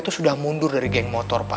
itu sudah mundur dari geng motor pak